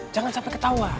jangan sampai ketahuan